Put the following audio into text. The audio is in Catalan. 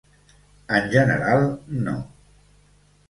En general, no.